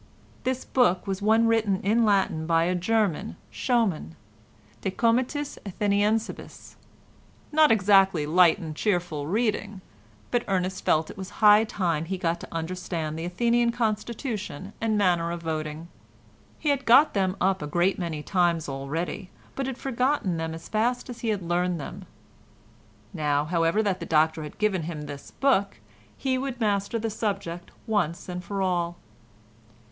The book was one written in Latin by a German—Schömann: "De comitiis Atheniensibus"—not exactly light and cheerful reading, but Ernest felt it was high time he got to understand the Athenian constitution and manner of voting; he had got them up a great many times already, but had forgotten them as fast as he had learned them; now, however, that the Doctor had given him this book, he would master the subject once for all.